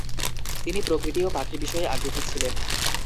তিনি প্রকৃতি ও পাখি বিষয়ে আগ্রহী ছিলেন।